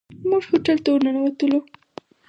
موږ هوټل ته ورننوتلو.